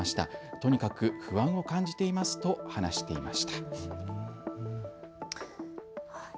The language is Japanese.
とにかく不安を感じていますと話していました。